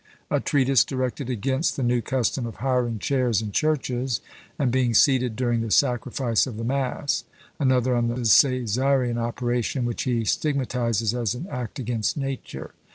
A treatise directed against the new custom of hiring chairs in churches, and being seated during the sacrifice of the mass. Another on the CÃḊsarean operation, which he stigmatises as an act against nature.